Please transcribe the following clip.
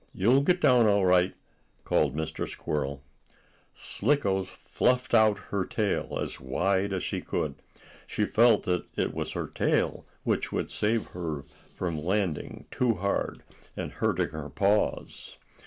You'll get down all right!" called Mr. Squirrel. Slicko fluffed out her tail as wide as she could. She felt that it was her tail which would save her from landing too hard and hurting her paws.